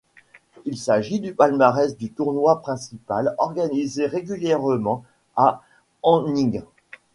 Il s'agit du palmarès du tournoi principal organisé régulièrement à Anning.